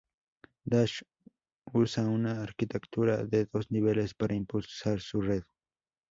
Dash usa una arquitectura de dos niveles para impulsar su red.